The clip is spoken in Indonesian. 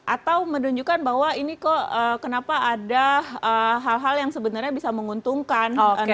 atau menunjukkan bahwa ini kok kenapa ada hal hal yang sebenarnya bisa menguntungkan